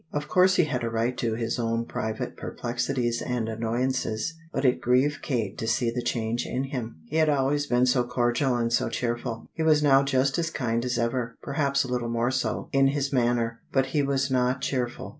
Of course he had a right to his own private perplexities and annoyances, but it grieved Kate to see the change in him. He had always been so cordial and so cheerful; he was now just as kind as ever, perhaps a little more so, in his manner, but he was not cheerful.